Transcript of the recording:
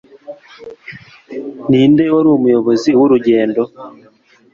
Ninde wari umuyobozi wurugendo?